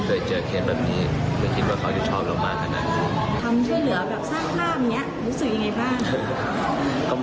สร้างภาพแล้วได้อะไรได้เงินไหม